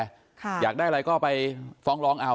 อยากได้อะไรก็ไปฟ้องร้องเอา